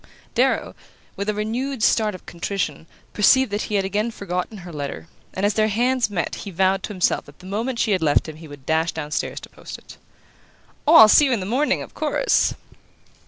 Darrow, with a renewed start of contrition, perceived that he had again forgotten her letter; and as their hands met he vowed to himself that the moment she had left him he would dash down stairs to post it. "Oh, I'll see you in the morning, of course!"